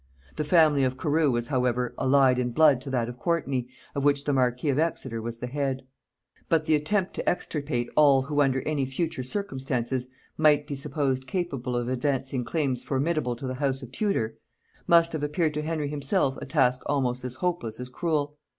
The family of Carew was however allied in blood to that of Courtney, of which the marquis of Exeter was the head. [Note 6: See Fuller's Worthies in Surry.] But the attempt to extirpate all who under any future circumstances might be supposed capable of advancing claims formidable to the house of Tudor, must have appeared to Henry himself a task almost as hopeless as cruel.